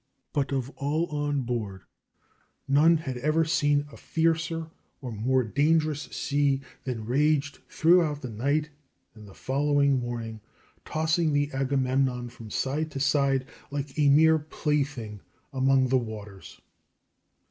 But of all on board none had ever seen a fiercer or more dangerous sea than raged throughout that night and the following morning, tossing the Agamemnon from side to side like a mere plaything among the waters.